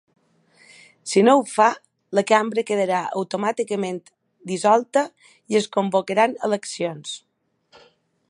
Si no ho fa, la cambra quedarà automàticament dissolta i es convocaran eleccions.